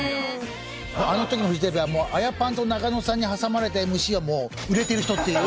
あの時のフジテレビはアヤパンと中野さんに挟まれたＭＣはもう売れている人っていう。